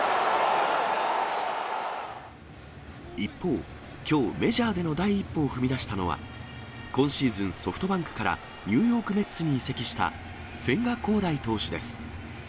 一方、きょう、メジャーでの第一歩を踏み出したのは、今シーズン、ソフトバンクからニューヨークメッツに移籍した千賀滉大投手です。